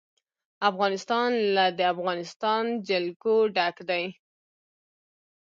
افغانستان له د افغانستان جلکو ډک دی.